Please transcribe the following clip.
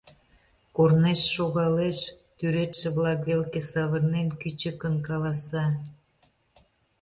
Корнеш шогалеш, тӱредше-влак велке савырнен, кӱчыкын каласа: